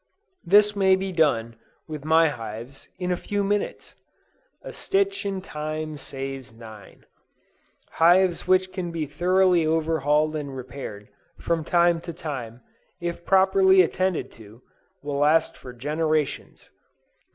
This may be done, with my hives, in a few minutes. "A stitch in time saves nine." Hives which can be thoroughly overhauled and repaired, from time to time, if properly attended to, will last for generations.